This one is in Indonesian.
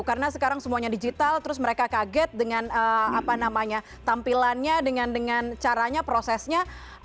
karena sekarang semuanya digital terus mereka kaget dengan tampilannya dengan caranya prosesnya